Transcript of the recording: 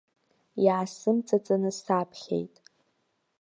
Иаасымҵаҵаны саԥхьеит.